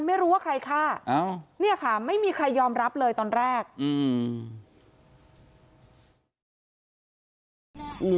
ไม่รู้ว่าใครฆ่าอ้าวเนี่ยค่ะไม่มีใครยอมรับเลยตอนแรกอืม